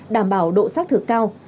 đảm bảo độ xác thực cao